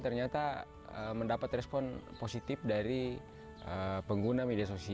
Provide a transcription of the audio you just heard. ternyata mendapat respon positif dari pengguna media sosial